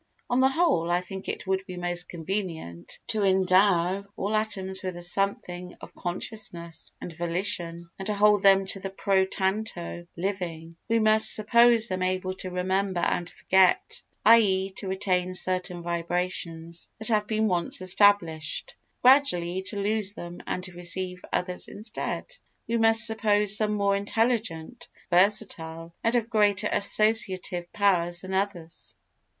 On the whole I think it would be most convenient to endow all atoms with a something of consciousness and volition, and to hold them to be pro tanto, living. We must suppose them able to remember and forget, i.e. to retain certain vibrations that have been once established—gradually to lose them and to receive others instead. We must suppose some more intelligent, versatile and of greater associative power than others.